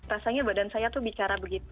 rasanya badan saya tuh bicara begitu